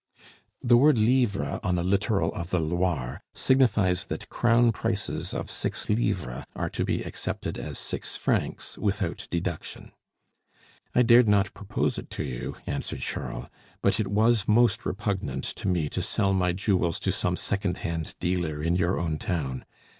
The word livres on the littoral of the Loire signifies that crown prices of six livres are to be accepted as six francs without deduction. "I dared not propose it to you," answered Charles; "but it was most repugnant to me to sell my jewels to some second hand dealer in your own town.